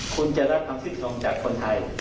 คุณจะรับความทิศตรงจากคนไทย